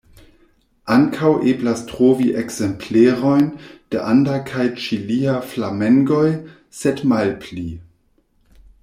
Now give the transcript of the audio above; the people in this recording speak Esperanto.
Ankaŭ eblas trovi ekzemplerojn de anda kaj ĉilia flamengoj, sed malpli.